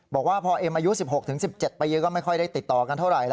บอกว่าพอเอ็มอายุ๑๖๑๗ปีก็ไม่ค่อยได้ติดต่อกันเท่าไหร่